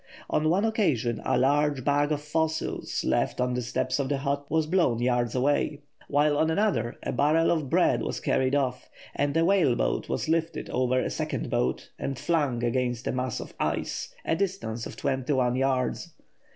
On one occasion a large bag of fossils, left on the steps of the hut, was blown yards away; while on another, a barrel of bread was carried off, and a whale boat was lifted over a second boat and flung against a mass of ice, a distance of twenty one yards.